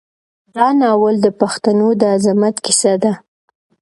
دا ناول د پښتنو د عظمت کیسه ده.